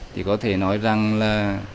thì có thể nói rằng là